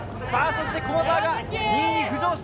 駒澤が２位に浮上した。